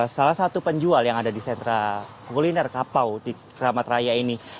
salah satu penjual yang ada di sentra kuliner kapau di keramat raya ini